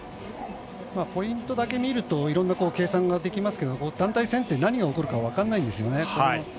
ポイントだけ見るといろんな計算ができますが団体戦って何が起こるか分からないんですよね。